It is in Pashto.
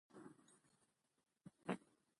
کلتور د افغانستان د اقتصاد برخه ده.